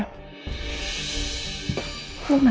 bakal seru kayaknya